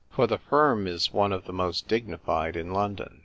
For the firm is one of the most dignified in London.